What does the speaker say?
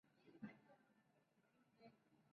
No obstante, la artista ha rechazado esta asociación.